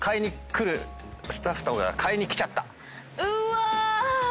うわ！